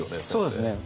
そうですね。